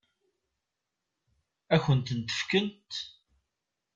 Ad kent-tent-fkent?